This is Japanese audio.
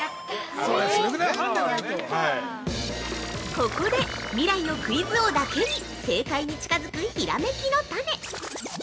◆ここで未来のクイズ王だけに正解に近づくひらめきのタネ。